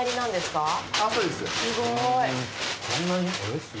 すごい。